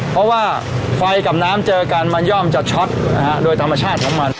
เพราะว่าไฟกับน้ำเจอกันมันย่อมจะช็อตนะฮะโดยธรรมชาติของมัน